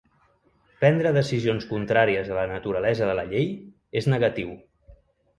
Prendre decisions contràries a la naturalesa de la llei és negatiu.